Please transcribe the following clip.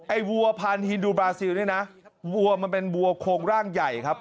วัวพันธินดูบราซิลเนี่ยนะวัวมันเป็นวัวโครงร่างใหญ่ครับ